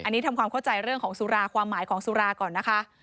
อันนี้ทำความเข้าใจเรื่องของสุราความหมายของสุราก่อนนะคะ